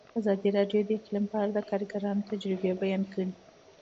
ازادي راډیو د اقلیم په اړه د کارګرانو تجربې بیان کړي.